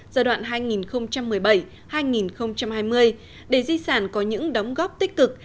giai đoạn hai nghìn một mươi bảy hai nghìn hai mươi để di sản có những đóng góp tích cực